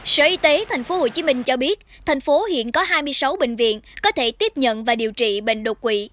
sở y tế tp hcm cho biết thành phố hiện có hai mươi sáu bệnh viện có thể tiếp nhận và điều trị bệnh đột quỷ